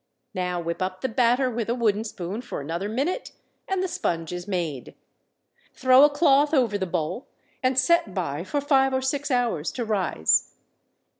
Now whip up the batter with a wooden spoon for another minute, and the sponge is made. Throw a cloth over the bowl and set by for five or six hours to rise.